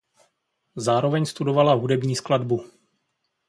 Zároveň studovala hudební skladbu.